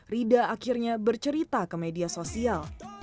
rida akhirnya bercerita ke media sosial